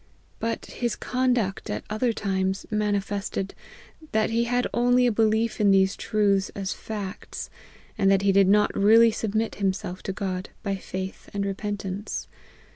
But his conduct at other times mani fested, that he had only a belief in these truths as facts, and that he did not really submit himself to God by faith and repentance.